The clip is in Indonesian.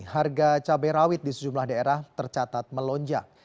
harga cabai rawit di sejumlah daerah tercatat melonjak